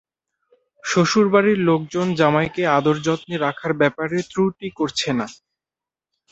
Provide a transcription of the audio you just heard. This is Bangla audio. শ্বশুর বাড়ির লোকজন জামাইকে আদর যত্নে রাখার ব্যাপারে ত্রুটি করছে না।